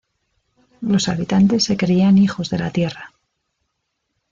Los habitantes se creían hijos de la tierra.